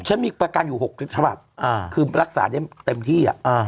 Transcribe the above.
มีประกันอยู่๖ฉบับคือรักษาได้เต็มที่